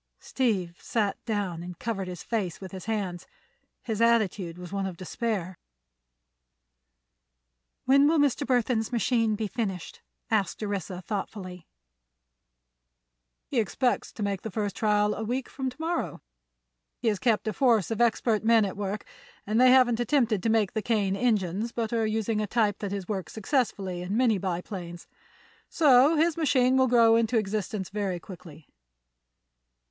Steve sat down and covered his face with his hands. His attitude was one of despair. "When will Mr. Burthon's machine be finished?" asked Orissa, thoughtfully. "He expects to make the first trial a week from to morrow. He has kept a force of expert men at work, and they haven't attempted to make the Kane engines, but are using a type that has worked successfully in many biplanes. So his machine has grown into existence very quickly."